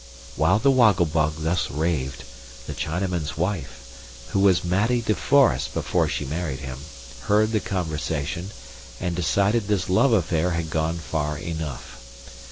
While the Woggle Bug thus raved, the Chinaman's wife (who was Mattie De Forest before she married him) heard the conversation, and decided this love affair had gone far enough.